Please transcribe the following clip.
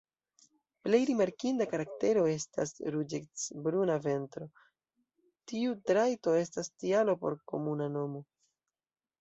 Plej rimarkinda karaktero estas ruĝecbruna ventro, tiu trajto estas tialo por la komuna nomo.